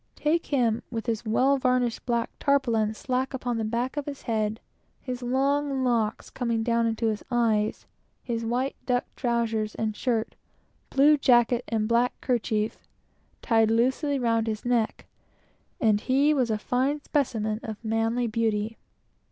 Take him with his well varnished black tarpaulin stuck upon the back of his head; his long locks coming down almost into his eyes; his white duck trowsers and shirt; blue jacket; and black kerchief, tied loosely round his neck; and he was a fine specimen of manly beauty.